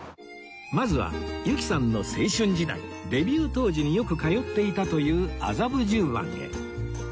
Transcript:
まずは由紀さんの青春時代デビュー当時によく通っていたという麻布十番へ